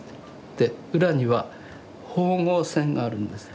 で裏には縫合線があるんです。